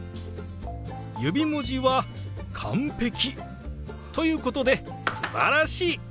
指文字は完璧ということですばらしい！